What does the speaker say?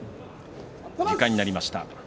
時間になりました。